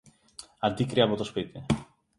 Αντίκρυ από το σπίτι